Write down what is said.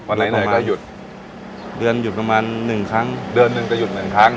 ไหนก็หยุดเดือนหยุดประมาณหนึ่งครั้งเดือนหนึ่งจะหยุดหนึ่งครั้ง